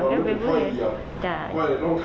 อันนี้แม่งอียางเนี่ย